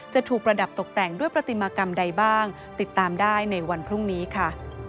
จะถูกประดับตกแต่งด้วยปฏิมากรรมใดบ้างติดตามได้ในวันพรุ่งนี้ค่ะ